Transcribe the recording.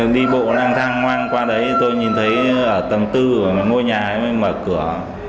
đi bộ lang thang hoang qua đấy tôi nhìn thấy tầng bốn của ngôi nhà mới mở cửa